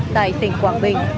tại tỉnh quảng bình